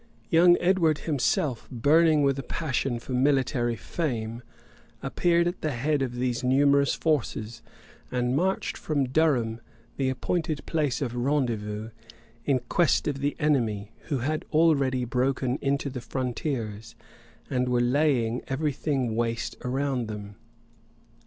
Young Edward himself, burning with a passion for military fame, appeared at the head of these numerous forces; and marched from Durham, the appointed place of rendezvous, in quest of the enemy, who had already broken into the frontiers, and were laying every thing waste around them.